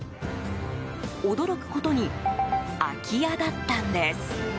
驚くことに空き家だったんです。